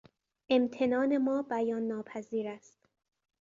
امتنان ما بیان ناپذیر است.